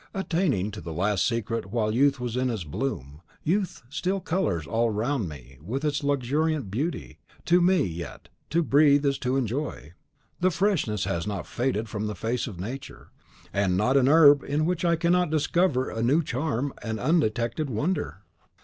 Attaining to the last secret while youth was in its bloom, youth still colours all around me with its own luxuriant beauty; to me, yet, to breathe is to enjoy. The freshness has not faded from the face of Nature, and not an herb in which I cannot discover a new charm, an undetected wonder.